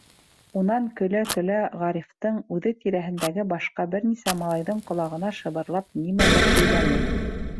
Унан, көлә-көлә, Ғарифтың, үҙе тирәһендәге башҡа бер нисә малайҙың ҡолағына шыбырлап нимәлер һөйләне.